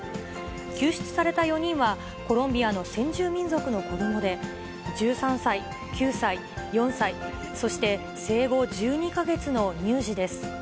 救出された４人は、コロンビアの先住民族の子どもで、１３歳、９歳、４歳、そして生後１２か月の乳児です。